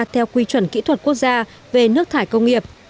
theo quy chuẩn kỹ thuật quốc gia về nước thải công nghiệp